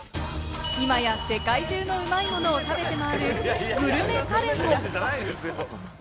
今や世界中のうまいもの食べて回るグルメタレント。